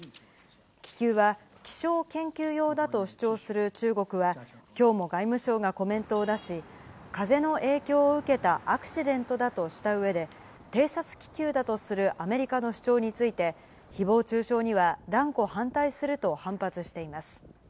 気球は気象研究用だと主張する中国は、きょうも外務省がコメントを出し、風の影響を受けたアクシデントだとしたうえで、偵察気球だとするアメリカの主張について、ひぼう中傷には断固反対すると反発しています。